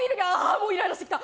もうイライラしてきた！